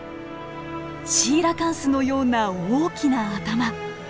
シーラカンスのような大きな頭。